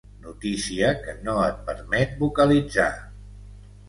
Notícia que no et permet vocalitzar.